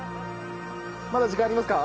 まだ時間ありますか？